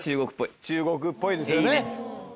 中国っぽいですよね。